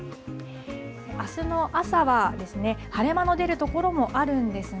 あすの朝は晴れ間の出る所もあるんですが、